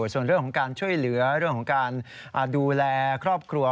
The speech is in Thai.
ส่วนเรื่องของการช่วยเหลือเรื่องของการดูแลครอบครัว